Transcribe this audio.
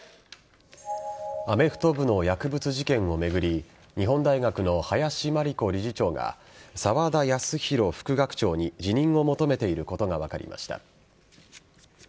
アメフト部の薬物事件を巡り日本大学の林真理子理事長が沢田康広副学長に辞任を求めていることが分かりました。